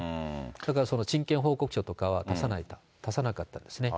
だから人権報告書とかは出さないと、出さなかったですね。